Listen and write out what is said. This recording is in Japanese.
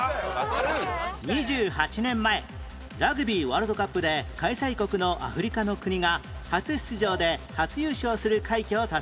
２８年前ラグビーワールドカップで開催国のアフリカの国が初出場で初優勝する快挙を達成